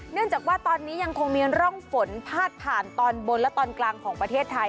เนื่องจากว่าตอนนี้ยังคงมีร่องฝนพาดผ่านตอนบนและตอนกลางของประเทศไทย